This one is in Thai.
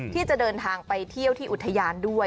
ที่จะเดินทางไปเที่ยวที่อุทยานด้วย